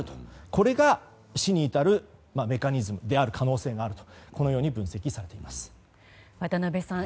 これが死に至るメカニズムである可能性があると渡辺さん